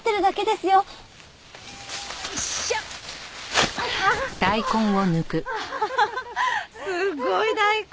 すごい大根！